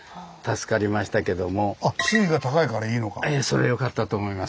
それよかったと思います。